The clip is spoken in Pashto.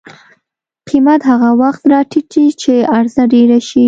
قیمت هغه وخت راټیټي چې عرضه ډېره شي.